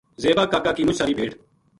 زیبا کا کا کی مُچ ساری بھیڈ